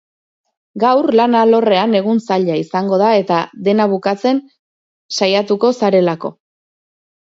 Gaur lan alorrean egun zaila izango da, eta dena bukatzen saiatuko zarelako.